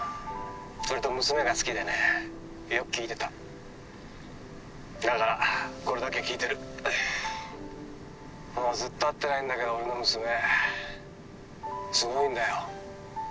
それと娘が好きでねよく聴いてただからこれだけ聴いてるもうずっと会ってないんだけど俺の娘すごいんだよ